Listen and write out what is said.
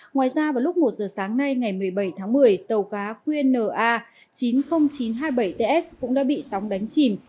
ngoài ra vào lúc một giờ sáng nay ngày một mươi bảy tháng một mươi tàu cá qnna chín mươi nghìn chín trăm hai mươi bảy ts cũng đã bị sóng đánh chìm